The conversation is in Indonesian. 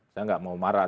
saya tidak mau marah